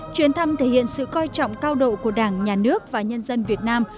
chuyến thăm thể hiện sự coi trọng cao độ của đảng nhà nước và nhân dân việt nam